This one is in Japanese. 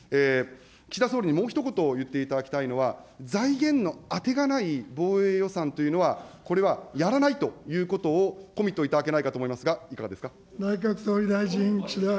岸田総理にもう一言言っていただきたいのは、財源の当てがない防衛予算というのは、これはやらないということをコミットいただけないかと思いますが、いかがですか。